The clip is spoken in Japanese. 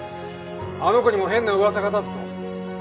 あの子にも変な噂がたつぞ。